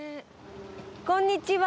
こんにちは。